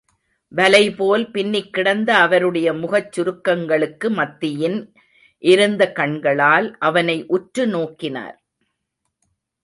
வலைபோல் பின்னிக் கிடந்த அவருடைய முகச் சுருக்கங்களுக்கு மத்தியின் இருந்த கண்களால் அவனை உற்று நாக்கினார்.